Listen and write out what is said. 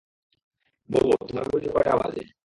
বোবো, তোমার ঘড়িতে কয়টা বাজে?